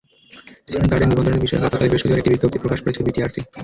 সিম কার্ডের নিবন্ধনের বিষয়ে গতকাল বৃহস্পতিবার একটি বিজ্ঞপ্তি প্রকাশ করেছে বিটিআরসি।